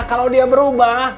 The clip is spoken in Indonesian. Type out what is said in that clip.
kalau dia berubah